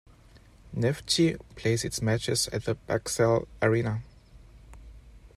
Neftchi plays its matches at the Bakcell Arena.